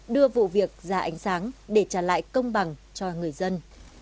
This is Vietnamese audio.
đưa vụ việc ra ánh sáng để trả lại công bằng cho người dân